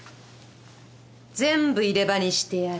全部入れ歯にしてやる。